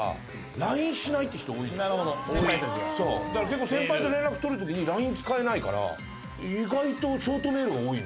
だから結構先輩と連絡取るときにＬＩＮＥ使えないから意外とショートメールが多いね。